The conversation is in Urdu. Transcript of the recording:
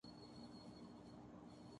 کیا تم ٹھیک ہو